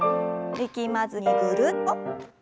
力まずにぐるっと。